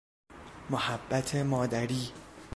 محبت مادری